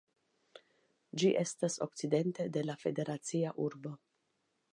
Ĝi estas okcidente de la federacia urbo.